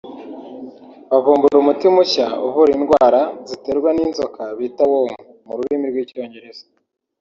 bavumbura umuti mushya uvura indwara ziterwa n’inzoka bita “worm” mu rurimi rw’Icyongereza